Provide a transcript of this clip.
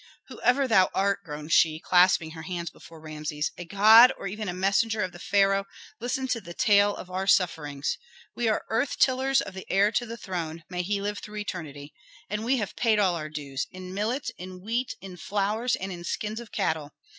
"Whoever thou art," groaned she, clasping her hands before Rameses, "a god, or even a messenger of the pharaoh, listen to the tale of our sufferings. We are earth tillers of the heir to the throne, may he live through eternity! and we have paid all our dues: in millet, in wheat, in flowers, and in skins of cattle.